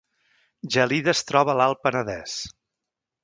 Gelida es troba a l’Alt Penedès